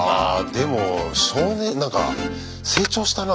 でも少年なんか成長したな。